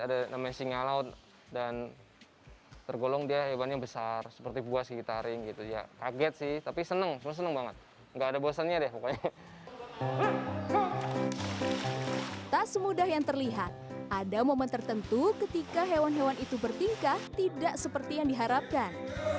ada momen tertentu ketika hewan hewan itu bertingkah tidak seperti yang diharapkan